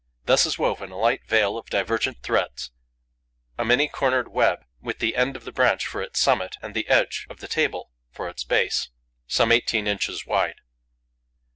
Thus is woven a light veil of divergent threads, a many cornered web with the end of the branch for its summit and the edge of the table for its base, some eighteen inches wide.